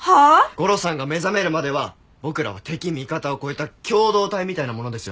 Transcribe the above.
ゴロさんが目覚めるまでは僕らは敵味方を超えた共同体みたいなものですよね？